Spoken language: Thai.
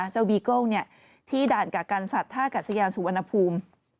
เจ้าบีเกิ้ลที่ด่านกับการสัตว์ท่ากับสยานสุวรรณภูมิ